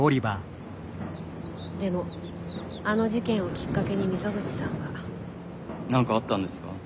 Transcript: でもあの事件をきっかけに溝口さんは。何かあったんですか？